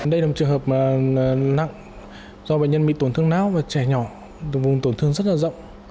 đây là một trường hợp nặng do bệnh nhân bị tổn thương não và trẻ nhỏ vùng tổn thương rất là rộng